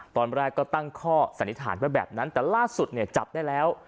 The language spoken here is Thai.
ตอนแรกก็ตั้งข้อสันนิษฐานไว้แบบนั้นแต่ล่าสุดเนี่ยจับได้แล้ว